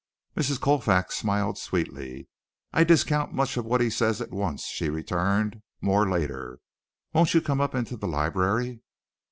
Mrs. Colfax smiled sweetly. "I discount much that he says at once," she returned. "More later. Won't you come up into the library?"